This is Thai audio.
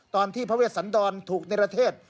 ตอนที่พระเวชสันดรถูกเนรเทศ